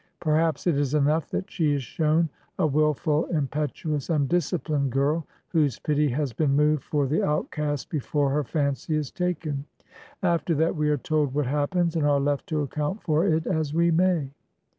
Perhaps it is enough that she is shown a wilful, impet uous, undisciplined girl, whose pity has been moved for the outcast before her fancy is taken. After that we are told what happens and are left to account for it as we may.